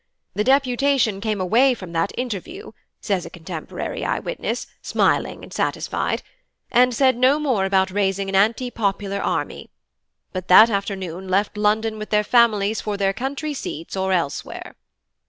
The deputation came away from that interview, says a contemporary eye witness, smiling and satisfied, and said no more about raising an anti popular army, but that afternoon left London with their families for their country seats or elsewhere.